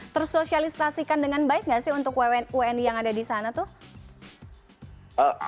tersosialisasikan dengan baik nggak sih untuk wni yang ada di sana tuh